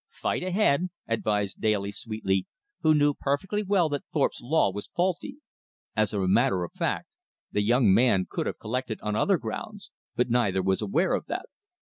"Fight ahead," advised Daly sweetly, who knew perfectly well that Thorpe's law was faulty. As a matter of fact the young man could have collected on other grounds, but neither was aware of that.